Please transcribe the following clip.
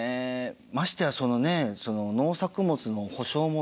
ましてやその農作物の補償も出ない。